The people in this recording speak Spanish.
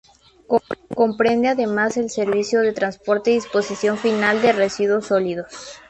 Comprende además el servicio de transporte y disposición final de residuos sólidos.